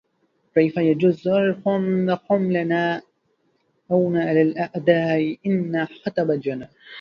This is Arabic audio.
كيف يجز ضرهم وهم لنا عون على الأعدا إن خطب جنا